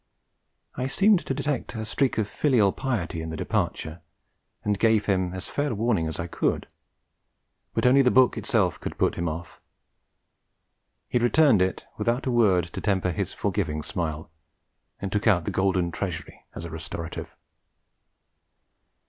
I seemed to detect a streak of filial piety in the departure, and gave him as fair warning as I could; but only the book itself could put him off. He returned it without a word to temper his forgiving smile, and took out The Golden Treasury as a restorative.